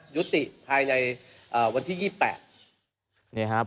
ยุติภายในวันที่๒๘